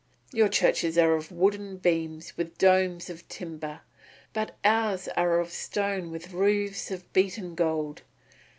Your churches are of wooden beams with domes of timber, but ours are of stone with roofs of beaten gold.